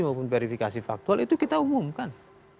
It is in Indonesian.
maupun verifikasi faktual itu kita umumkan